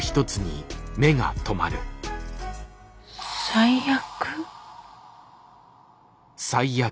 「最悪」？